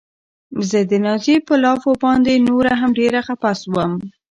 زه د نازيې په لافو باندې نوره هم ډېره خپه شوم.